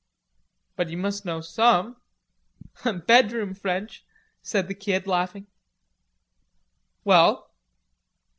"But you must know some." "Bedroom French," said the Kid, laughing. "Well?"